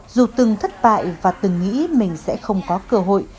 dù từng thất bại và từng nghĩ mình sẽ không có cơ hội